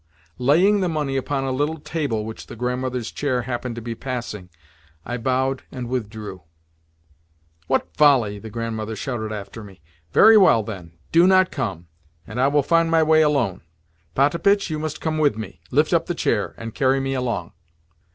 Laying the money upon a little table which the Grandmother's chair happened to be passing, I bowed and withdrew. "What folly!" the Grandmother shouted after me. "Very well, then. Do not come, and I will find my way alone. Potapitch, you must come with me. Lift up the chair, and carry me along."